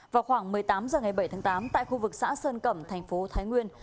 vào khoảng một mươi tám h ngày bảy tháng tám tại khu vực xã sơn cẩm thành phố thái nguyên